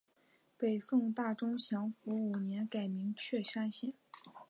北宋大中祥符五年改名确山县。